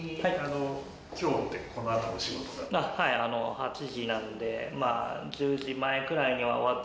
８時なんで１０時前くらいには終わって。